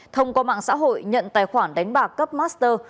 thông qua mạng xã hội nhận tài khoản đánh bạc cấp master